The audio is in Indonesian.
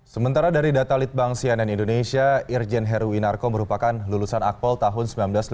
sementara dari data litbang cnn indonesia irjen heruwinarko merupakan lulusan akpol tahun seribu sembilan ratus delapan puluh